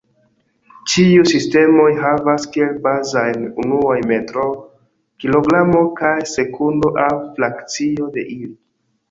Ĉiuj sistemoj havas kiel bazajn unuoj metro, kilogramo kaj sekundo, aŭ frakcio de ili.